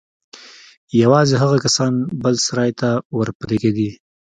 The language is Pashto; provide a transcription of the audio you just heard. يوازې هغه کسان بل سراى ته ورپرېږدي.